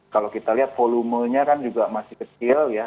kalau kita lihat volumenya kan juga masih kecil ya